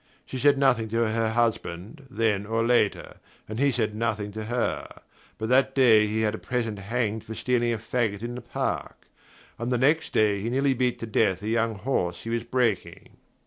She said nothing to her husband, then or later, and he said nothing to her; but that day he had a peasant hanged for stealing a faggot in the park, and the next day he nearly beat to death a young horse he was breaking.